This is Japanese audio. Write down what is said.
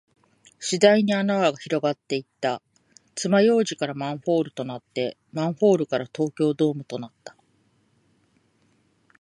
次第に穴は広がっていった。爪楊枝からマンホールとなって、マンホールから東京ドームとなった。